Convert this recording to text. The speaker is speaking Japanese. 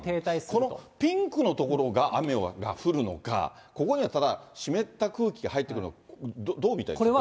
このピンクの所が雨が降るのか、ここにはただ湿った空気が入ってくるのか、どう見たらいいですか、これは。